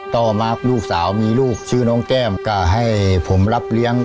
ต่อมาลูกสาวมีลูกชื่อน้องแก้มก็ให้ผมรับเลี้ยง